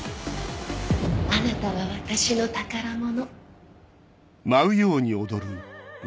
あなたは私の宝物。